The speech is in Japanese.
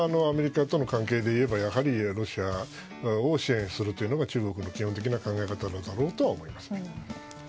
アメリカとの関係でいえばロシアを支援するというのが中国の基本的な考え方だろうと思います。